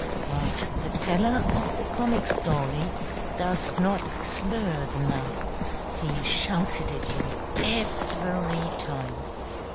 But the teller of the comic story does not slur the nub; he shouts it at you every time.